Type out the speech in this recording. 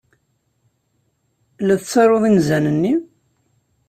La tettaruḍ inzan-nni?